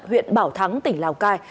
huyện bảo thắng tỉnh lào cai